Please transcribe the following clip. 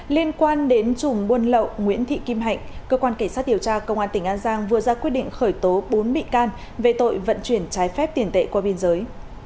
liên quan đến chùm buôn lậu nguyễn thị kim hạnh cơ quan cảnh sát điều tra công an tỉnh an giang vừa ra quyết định khởi tố bốn bị can về tội vận chuyển trái phép tiền tệ qua biên giới